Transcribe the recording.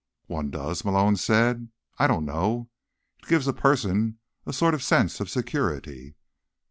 "One does?" Malone said. "I don't know. It gives a person a sort of sense of security."